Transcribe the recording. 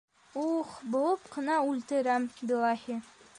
У-у-ух... быуып ҡына үлтерәм, биллаһи!!!